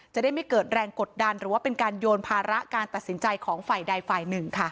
จะได้ไม่เกิดแรงกดดันหรือว่าเป็นการโยนภาระการตัดสินใจของฝ่ายใดฝ่ายหนึ่งค่ะ